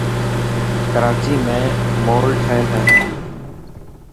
ڪراچي مين مول ٺهيل هي.